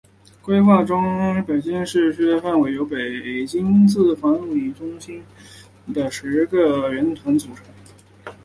规划中北京市城区的范围由大约北京四环路以内的中心城区和十个边缘集团组成。